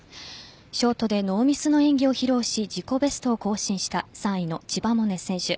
ショートでノーミスの演技を披露し自己ベストを更新した３位の千葉百音選手。